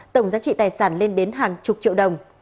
tổng giá trị tài sản lên đến hàng chục triệu đồng